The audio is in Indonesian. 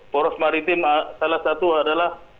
poros maritim salah satu adalah